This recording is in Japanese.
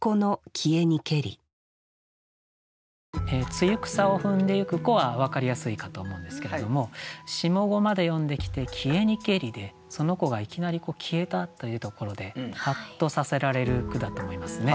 「露草を踏んで行く子」は分かりやすいかと思うんですけれども下五まで読んできて「消えにけり」でその子がいきなり消えたというところでハッとさせられる句だと思いますね。